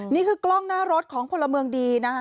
นี่คือกล้องหน้ารถของพลเมืองดีนะคะ